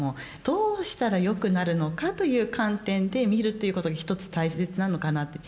どうしたら良くなるのかという観点で見るということに一つ大切なのかなって。